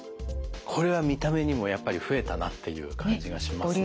これは見た目にもやっぱり増えたなっていう感じがしますね。